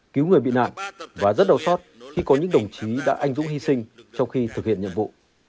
cứu người bị nạn và rất đau xót khi có những đồng chí đã anh dũng hy sinh trong khi thực hiện nhiệm vụ